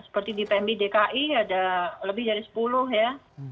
seperti di pmi dki ada lebih dari sepuluh ya